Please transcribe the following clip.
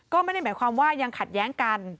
ก็ไม่ได้หมายความว่ายังขัดแย้งกัน